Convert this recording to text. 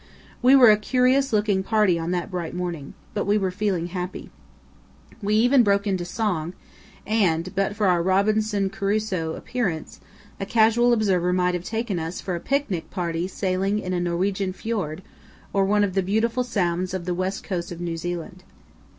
We were a curious looking party on that bright morning, but we were feeling happy. We even broke into song, and, but for our Robinson Crusoe appearance, a casual observer might have taken us for a picnic party sailing in a Norwegian fiord or one of the beautiful sounds of the west coast of New Zealand.